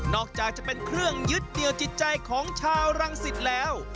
อกจากจะเป็นเครื่องยึดเหนียวจิตใจของชาวรังสิตแล้ว